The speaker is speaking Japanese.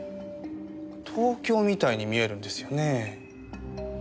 東京みたいに見えるんですよね。